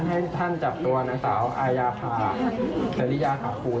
หรือว่าจะจบชีวิตในวันนี้ดิฉันก็ยอมค่ะ